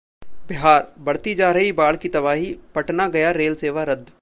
बिहारः बढ़ती जा रही बाढ़ की तबाही, पटना-गया रेल सेवा रद्द